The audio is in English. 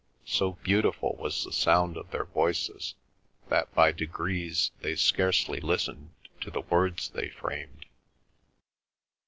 So beautiful was the sound of their voices that by degrees they scarcely listened to the words they framed.